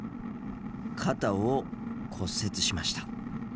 肩を骨折しました。